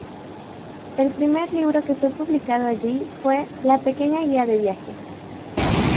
El primer libro que fue publicado allí fue "La pequeña guía de viaje".